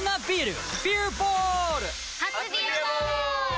初「ビアボール」！